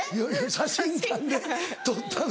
写真館で撮ったの？